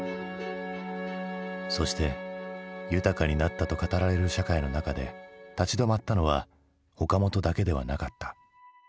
そして豊かになったと語られる社会の中で立ち止まったのは岡本だけではなかった。